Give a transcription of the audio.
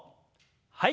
はい。